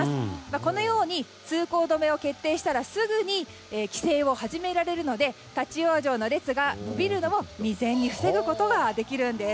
このように通行止めを決定したら、すぐに規制を始められるので立ち往生の列が延びるのを未然に防ぐことができるんです。